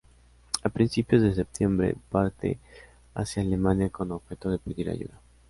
A principios de septiembre parte hacia Alemania con objeto de pedir ayuda.